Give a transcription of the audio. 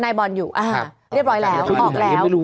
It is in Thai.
นายบอลอยู่เรียบร้อยแล้วออกแล้ว